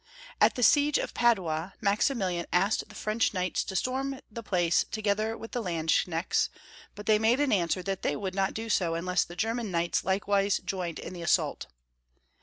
At the siege of Padua, Maximilian asked the French knights to storm the place to gether with the landsknechts, but they made an swer that they would not do so unless the German knights likewise joined in the assault.